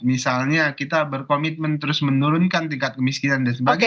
misalnya kita berkomitmen terus menurunkan tingkat kemiskinan dan sebagainya